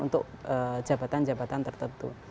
untuk jabatan jabatan tertentu